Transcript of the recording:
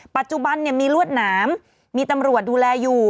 ปัจจุบันมีรวดหนามมีตำรวจดูแลอยู่